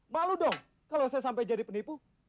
malu dong kalau saya sampai jadi penipu